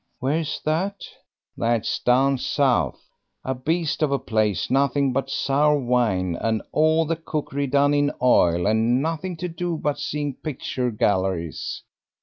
"Where's that?" "That's down south. A beast of a place nothing but sour wine, and all the cookery done in oil, and nothing to do but seeing picture galleries.